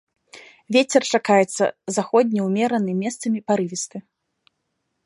Вецер чакаецца заходні ўмераны, месцамі парывісты.